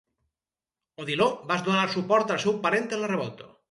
Odiló va donar suport al seu parent en la revolta.